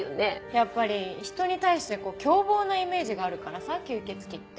やっぱり人に対して凶暴なイメージがあるからさ吸血鬼って。